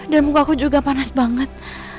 dan muka aku juga panas banget